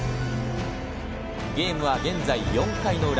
ゲームは現在４回の裏。